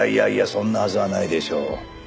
そんなはずはないでしょ。